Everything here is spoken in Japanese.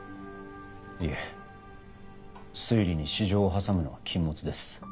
いえ推理に私情を挟むのは禁物です。